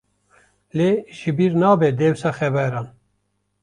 Lê ji bîr nabe dewsa xeberan.